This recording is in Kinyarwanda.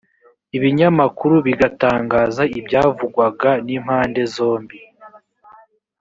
ibinyamakuru bigatangaza ibyavugwaga n’impande zombi